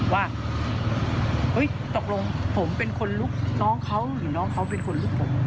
ว่าเฮ้ยตกลงผมเป็นคนลุกน้องเขาหรือน้องเขาเป็นคนลุกผม